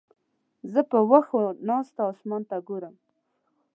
زه پر وښو ناسته اسمان ته ګورم.